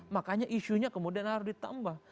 makanya isunya kemudian harus ditambah